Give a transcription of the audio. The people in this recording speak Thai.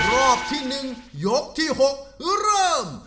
รอบที่๑ยกที่๖เริ่ม